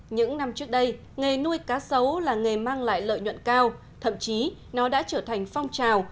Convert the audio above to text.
những năm trước đây nghề nuôi cá sấu là nghề mang lại lợi nhuận cao thậm chí nó đã trở thành phong trào